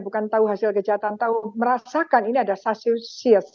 bukan tahu hasil kejahatan tahu merasakan ini ada sasius sias